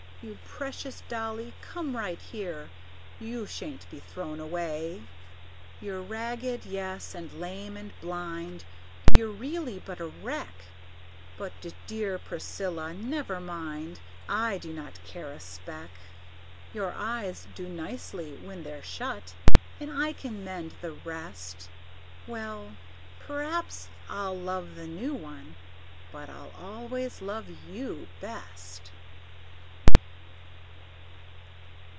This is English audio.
You precious dolly, come right here, You shan't be thrown away! You're ragged, yes, and lame and blind, You're really but a wreck; But, dear Priscilla, never mind, I do not care a speck. Your eyes do nicely when they're shut, And I can mend the rest; Well p'raps I'll love the new one but I'll always love you best.